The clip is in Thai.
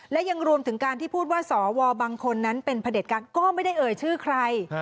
และยังรวมถึงการที่พูดว่าสวบางคนนั้นเป็นพระเด็จการก็ไม่ได้เอ่ยชื่อใคร